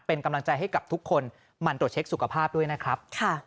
เป็นกำลังใจให้กับทุกคนมันตรวจเช็คสุขภาพด้วยนะครับ